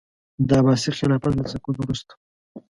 د عباسي خلافت له سقوط وروسته.